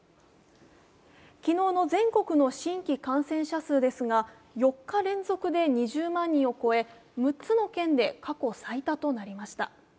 昨日の全国の新規感染者数ですが、４日連続で２０万人を超え６つの県で過去最多となりました。